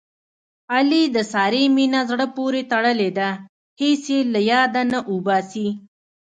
علي د سارې مینه زړه پورې تړلې ده. هېڅ یې له یاده نه اوباسي.